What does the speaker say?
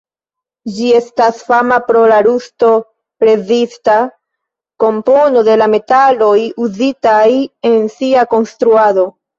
Ĝi estas fama pro la rusto-rezista kompono de la metaloj uzitaj en sia konstruado.